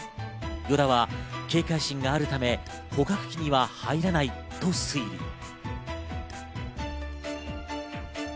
依田は警戒心があるため捕獲器には入らないと推理。